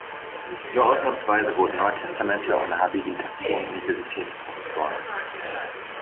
Nur ausnahmsweise wurden Neutestamentler ohne Habilitation Universitätsprofessoren.